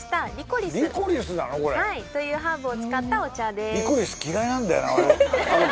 これはいというハーブを使ったお茶です